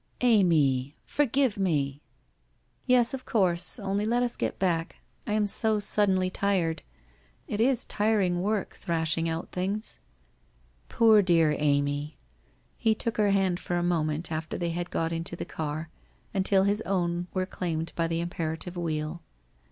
' Amy, forgive me !'' Yes, of course, only let us get back. I am so sud denly tired. It is tiring work, thrashing out things !'' Poor, dear Amy !' He took her hand for a moment after they had got into the car, until his own were claimed by the imperative wheel.